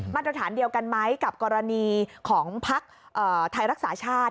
มาตรฐานเดียวกันไหมกับกรณีของพักไทยรักษาชาติ